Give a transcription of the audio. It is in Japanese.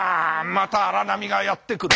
また荒波がやって来る。